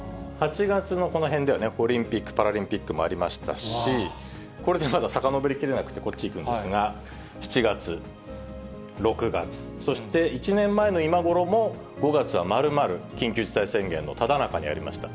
８月のこの辺では、オリンピック・パラリンピックもありましたし、これでまださかのぼりきれなくて、こっちいくんですが、７月、６月、そして１年前の今頃も５月は丸々緊急事態宣言のただ中にありました。